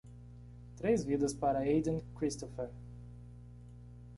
Três vivas para Aden Christopher.